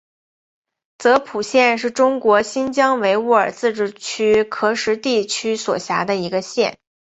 泽普县是中国新疆维吾尔自治区喀什地区所辖的一个县。